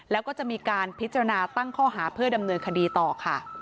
แล้วก็จะมีการพิจารณาตั้งข้อหาเพื่อดำเนินคดีต่อค่ะ